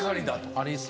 ありそう。